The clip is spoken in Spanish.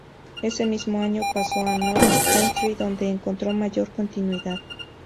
Ese mismo año pasó al Notts County, donde encontró mayor continuidad.